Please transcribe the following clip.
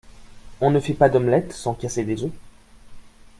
On ne fait pas d’omelette sans casser des œufs.